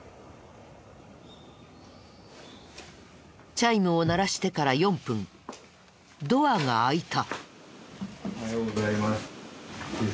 チャイムを鳴らしてから４分ドアが開いた。